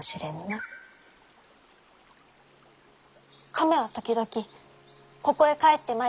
亀は時々ここへ帰ってまいります。